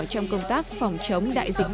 trong công tác phòng chống đại dịch